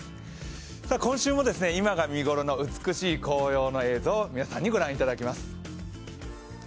今週も今が見頃の美しい紅葉の映像を皆さんにご覧いただきます。